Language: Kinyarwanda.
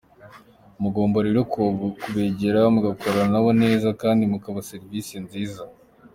Mugomba rero kubegera, mugakorana na bo neza , kandi mukabaha serivisi nziza."